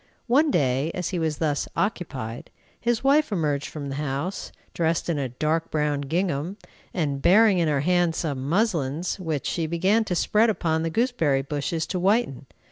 One day as he was thus occupied, his wife emerged from the house, dressed in a dark brown gingham, and bearing in her hand some "muslins," which she began to spread upon the gooseberry bushes to whiten.